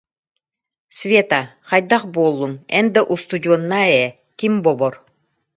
Света, хайдах буоллуҥ, эн да устудьуоннаа ээ, ким бобор